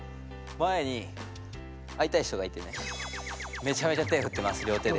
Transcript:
前にあいたい人がいてねめちゃめちゃ手ふってます。